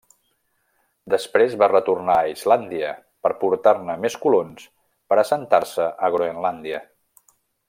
Després va retornar a Islàndia per portar-ne més colons per assentar-se a Groenlàndia.